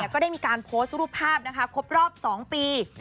ก็ได้มีการโพสต์รูปภาพครบรอบ๒ปี